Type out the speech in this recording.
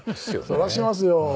そりゃしますよ。